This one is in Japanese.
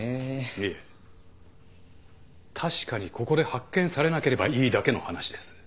いえ確かにここで発見されなければいいだけの話です。